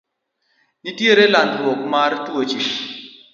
Nitiere landruok mar tuoche.